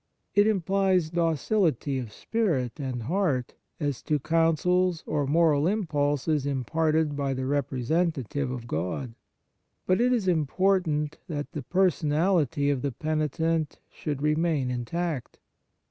It implies docility of spirit and heart as to counsels or moral impulses im parted by the representative of God. But it is important that the per sonality of the penitent should re main intact.